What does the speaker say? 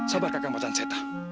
sabar kakak matan seta